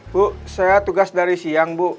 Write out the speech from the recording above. bu saya tugas dari siang bu